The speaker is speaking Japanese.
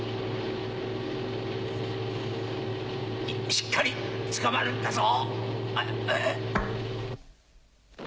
しっかりつかまるんだぞ！